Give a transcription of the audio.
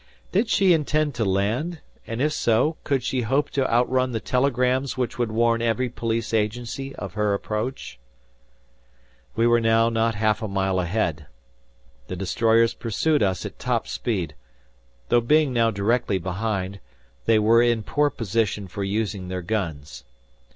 Did she intend to land, and if so, could she hope to outrun the telegrams which would warn every police agency of her approach? We were now not half a mile ahead. The destroyers pursued us at top speed, though being now directly behind, they were in poor position for using their guns.